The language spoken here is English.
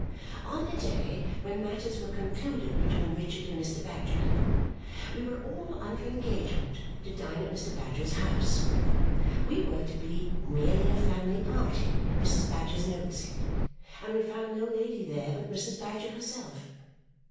On the day when matters were concluded between Richard and Mr. Badger, we were all under engagement to dine at Mr. Badger's house. We were to be "merely a family party," Mrs. Badger's note said; and we found no lady there but Mrs. Badger herself.